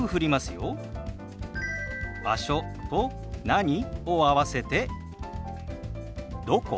「場所」と「何？」を合わせて「どこ？」。